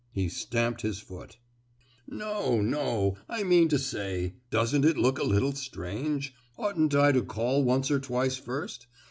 He stamped his foot. "No—no! I mean to say—don't it look a little strange? Oughtn't I to call once or twice first?